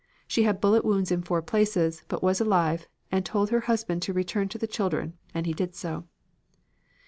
She had bullet wounds in four places but was alive and told her husband to return to the children and he did so.